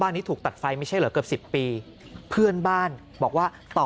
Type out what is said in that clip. นี้ถูกตัดไฟไม่ใช่เหรอเกือบสิบปีเพื่อนบ้านบอกว่าต่อ